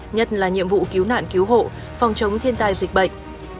nhất là nhiệm vụ cứu nạn cứu hộ phòng chống thiên tai dịch bệnh